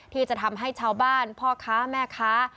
ที่จะทำให้ชาวบ้านพ่อค้าแม่ค้า